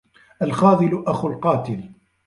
الخاذل أخو القاتل